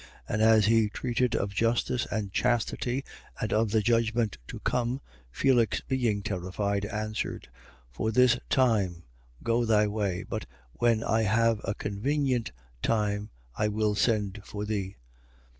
24:25. And as he treated of justice and chastity and of the judgment to come, Felix, being terrified, answered: For this time, go thy way: but when I have a convenient time, I will send for thee.